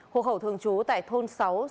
hộp hậu thường trú tại thôn sáu xã công